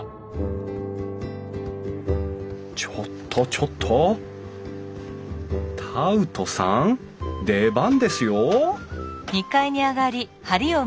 ちょっとちょっとタウトさん出番ですよ